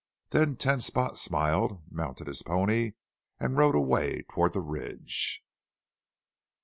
Then Ten Spot smiled, mounted his pony, and rode away toward the ridge.